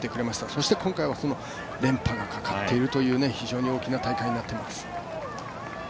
そして今回は連覇がかかっているという非常に大きな大会となっています。